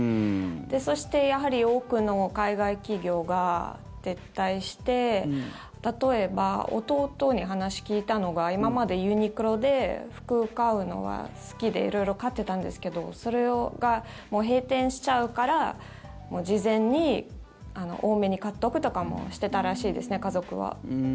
そしてやはり多くの海外企業が撤退して例えば、弟に話聞いたのが今までユニクロで服買うのが好きで色々買ってたんですけどそれが閉店しちゃうから事前に多めに買っておくとかもしてたらしいですね、家族は。